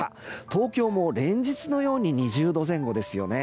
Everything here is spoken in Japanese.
東京も連日のように２０度前後ですよね。